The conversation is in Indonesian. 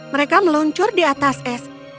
mereka meluncur di atas es